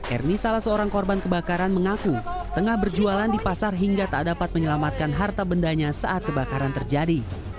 ernie salah seorang korban kebakaran mengaku tengah berjualan di pasar hingga tak dapat menyelamatkan harta bendanya saat kebakaran terjadi